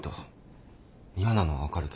嫌なのは分かるけどさ。